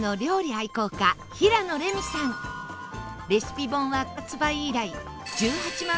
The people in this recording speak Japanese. レシピ本は発売以来１８万